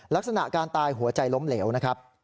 ลักษณะการตายหัวใจล้มเหลวนะครับ